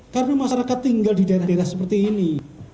karena masyarakat tinggal di daerah daerah seperti ini